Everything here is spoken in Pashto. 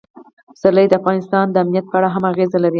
پسرلی د افغانستان د امنیت په اړه هم اغېز لري.